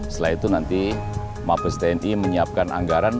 setelah itu nanti mabes tni menyiapkan anggaran